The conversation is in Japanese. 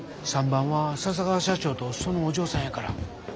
３番は笹川社長とそのお嬢さんやから。